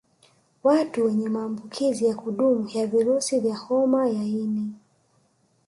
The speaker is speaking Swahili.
Watu wenye maambukizi ya kudumu ya virusi vya homa ya ini